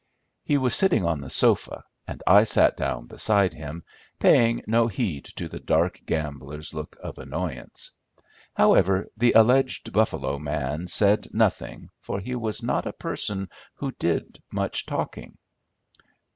He was sitting on the sofa, and I sat down beside him, paying no heed to the dark gambler's look of annoyance. However, the alleged Buffalo man said nothing, for he was not a person who did much talking.